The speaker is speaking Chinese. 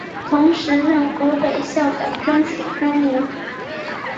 同年任湖北孝感专署专员。